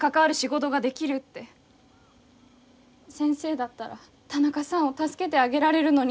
先生だったら田中さんを助けてあげられるのに。